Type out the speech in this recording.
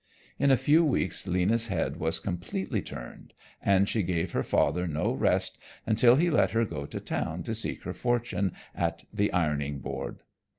In a few weeks Lena's head was completely turned, and she gave her father no rest until he let her go to town to seek her fortune at the ironing board.